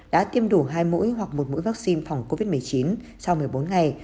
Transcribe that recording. đã tiêm đủ hai mũi hoặc một mũi vaccine phòng covid một mươi chín sau một mươi bốn ngày